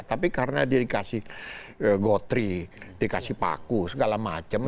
tapi karena dia dikasih gotri dikasih paku segala macam